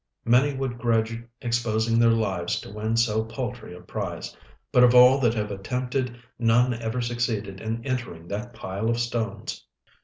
Many would grudge exposing their lives to win so paltry a prize. But of all that have attempted, none ever succeeded in entering that pile of stones."